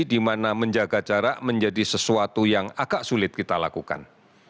di mana menjaga jarak menjadi sesuatu yang agak sulit kita lakukan